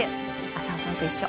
浅尾さんと一緒。